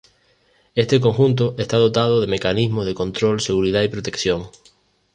Este conjunto está dotado de mecanismos de control, seguridad y protección.